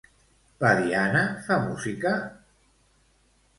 La Diana fa música?